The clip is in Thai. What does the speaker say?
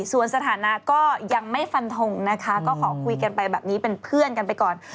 ส่วนสถานะก็ยังไม่ฟันทงนะคะก็ขอคุยกันไปแบบนี้เป็นเพื่อนกันไปก่อน